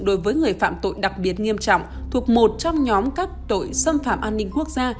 đối với người phạm tội đặc biệt nghiêm trọng thuộc một trong nhóm các tội xâm phạm an ninh quốc gia